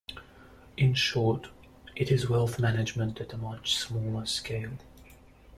In short, it is wealth management at a much smaller scale.